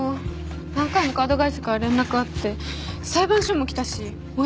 何回もカード会社から連絡あって裁判所も来たし親にもバレたし。